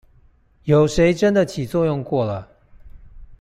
有誰真的起作用過了